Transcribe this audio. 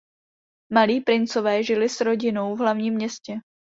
Malí princové žili s rodinou v hlavním městě.